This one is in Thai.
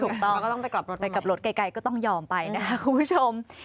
ถูกต้องก็ต้องไปกลับรถไปกลับรถไกลก็ต้องยอมไปนะครับคุณผู้ชม